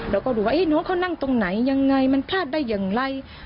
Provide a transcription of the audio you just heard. เราก็ดูว่าน้องเขานั่งตรงไหนยังไงมันพลาดได้อย่างไร